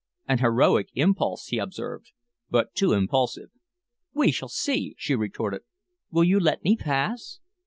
"An heroic impulse," he observed, "but too impulsive." "We shall see," she retorted. "Will you let me pass?"